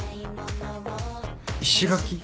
石垣？